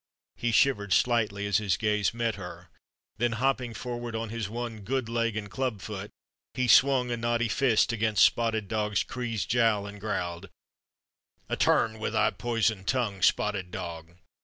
He shivered slightly as his gaze met hers, then, hopping forward on his one good leg and club foot, he swung a knotty fist against Spotted Dog's creased jowl and growled: "A turn wi' that poison tongue, Spotted Dog.